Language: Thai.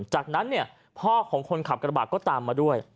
จากนั้นพ่อของคนขับกระบาดก็ตามมาด้วย